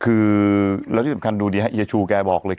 คือแล้วที่สำคัญดูดีฮะเฮียชูแกบอกเลย